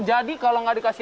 jadi kalau nggak dikasih